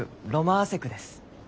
ロマアセクです。